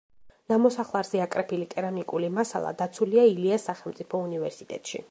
ნამოსახლარზე აკრეფილი კერამიკული მასალა დაცულია ილიას სახელმწიფო უნივერსიტეტში.